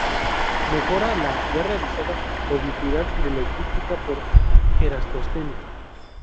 Mejora la ya realizada oblicuidad de la Eclíptica por Eratóstenes.